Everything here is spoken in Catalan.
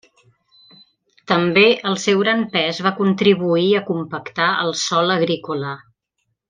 També el seu gran pes va contribuir a compactar el sòl agrícola.